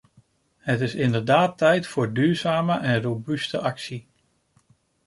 Het is inderdaad tijd voor duurzame en robuuste actie.